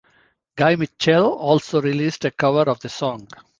Guy Mitchell also released a cover of the song.